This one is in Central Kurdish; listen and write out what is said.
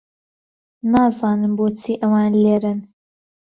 نازانم بۆچی ئەوان لێرەن.